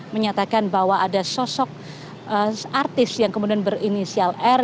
menyatakan bahwa ada sosok artis yang kemudian berinisial r